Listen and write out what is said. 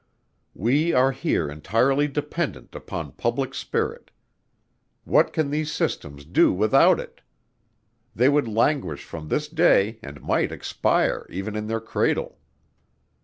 We are here entirely dependent upon public spirit. What can these systems do without it? They would languish from this day, and might expire even in their cradle.